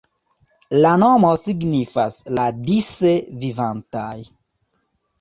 La nomo signifas "la dise vivantaj".